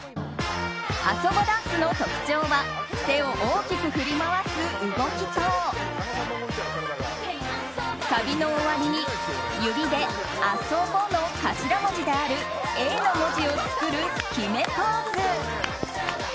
「ＡＳＯＢＯ」ダンスの特徴は手を大きく振り回す動きとサビの終わりに指で「ＡＳＯＢＯ」の頭文字であるＡの文字を作る決めポーズ。